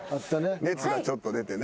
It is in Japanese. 熱がちょっと出てね。